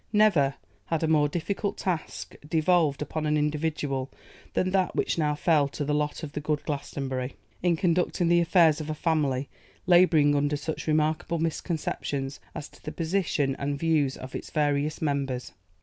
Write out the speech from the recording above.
Never had a more difficult task devolved upon an individual than that which now fell to the lot of the good Glastonbury, in conducting the affairs of a family labouring under such remarkable misconceptions as to the position and views of its various members.